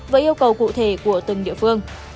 với yêu cầu cụ thể của từng địa phương